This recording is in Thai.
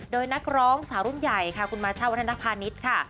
โดยนักร้องสาวรุ่นใหญ่ค่ะคุณมาช่าวัฒนภาณิชย์ค่ะ